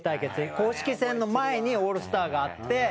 公式戦の前にオールスターがあって。